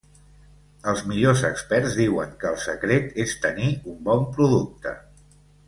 Els millors experts diuen que el secret és tenir un bon producte.